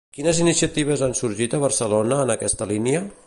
Quines iniciatives han sorgit a Barcelona en aquesta línia?